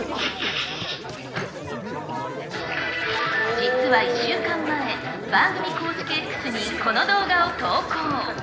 実は１週間前、番組公式Ｘにこの動画を投稿。